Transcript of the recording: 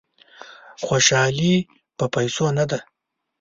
خوشالي په پیسو نه ده.